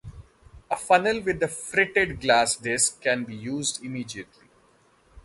A funnel with a fritted glass disc can be used immediately.